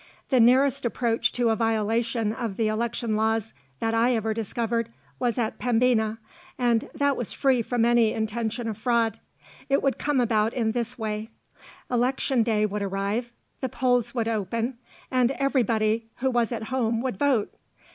The nearest approach to a violation of the election laws that I ever discovered was at Pembina, and that was free from any intention of fraud. It would come about in this way: Election day would arrive, the polls would open, and everybody who was at home would vote.